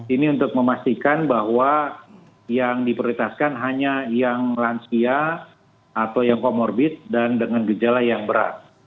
ini untuk memastikan bahwa yang diprioritaskan hanya yang lansia atau yang comorbid dan dengan gejala yang berat